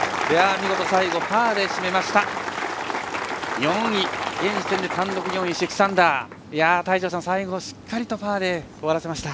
見事、最後、パーで締めました。